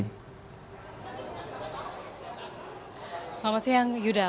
selamat siang yuda